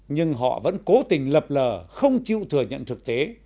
nhưng họ vẫn cố tình lập lờ không chịu thừa nhận thực tế